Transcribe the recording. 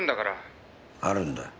あるんだ。